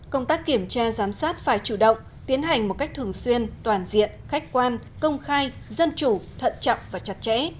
công tác kiểm tra giám sát phải chủ động tiến hành một cách thường xuyên toàn diện khách quan công khai dân chủ thận trọng và chặt chẽ